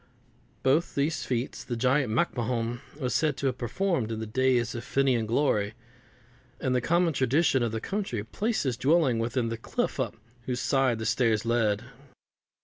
Both these feats the giant MacMahon was said to have performed in the days of Finnian glory; and the common tradition of the country placed his dwelling within the cliff up whose side the stairs led.